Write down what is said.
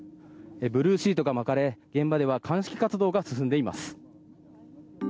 ブルーシートが巻かれ、現場では鑑識活動が進んでいます。